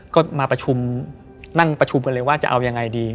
ก็มาประชุมนั่งประชุมกันเลยว่าจะเอายังไงดี